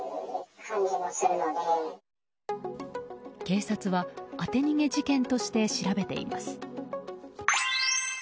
警察は当て逃げ事件として調べています。